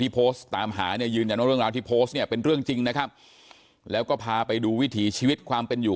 เป็นเรื่องจริงนะครับแล้วก็พาไปดูวิถีชีวิตความเป็นอยู่